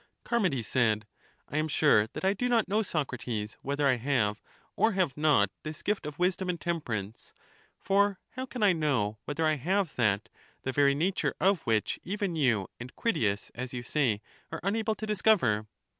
Charmides said: I am sure that I do not know, Socrates, whether I have or have not this gift of wis dom and temperance ; for how can I know whether I have that, the very nature of which even you and Critias, as you say, are unable to discover?